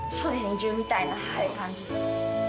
移住みたいな感じ。